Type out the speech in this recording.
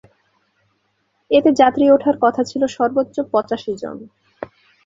এতে যাত্রী ওঠার কথা ছিল সর্বোচ্চ পঁচাশিজন।